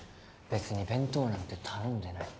別に弁当なんて頼んでない